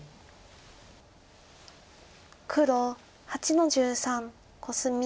黒８の十三コスミ。